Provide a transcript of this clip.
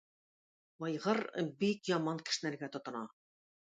Айгыр бик яман кешнәргә тотына.